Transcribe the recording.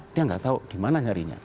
dia nggak tahu di mana nyarinya